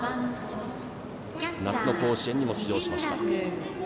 夏の甲子園にも出場しました。